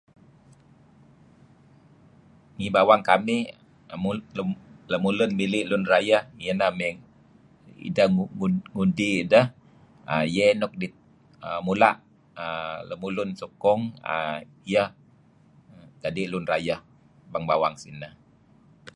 Ngi bawang kamih lemulun mili' lun rayeh iyeh ineh ideh ngundi ideh iyeh nuk dita' mula' lemulun sukung uhm iyeh jadi' lun rayeh bang bawang sineh.